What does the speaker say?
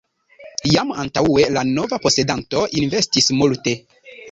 Jam antaŭe la nova posedanto investis multe.